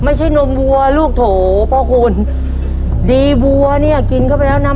นมวัวลูกโถพ่อคุณดีวัวเนี่ยกินเข้าไปแล้วนะ